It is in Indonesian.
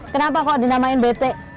kenapa kok dinamain bt